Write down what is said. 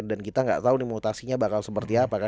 dan kita gak tau mutasinya bakal seperti apa